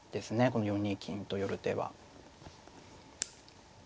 この４二金と寄る手は。